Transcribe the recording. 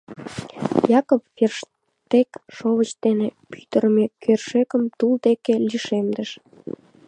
Якоб Ферштег шовыч дене пӱтырымӧ кӧршӧкым тул деке лишемдыш.